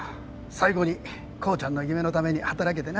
最後に浩ちゃんの夢のために働けてな。